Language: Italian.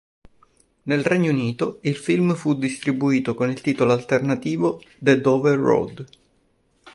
Nel Regno Unito, il film fu distribuito con il titolo alternativo "The Dover Road".